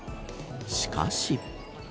しかし。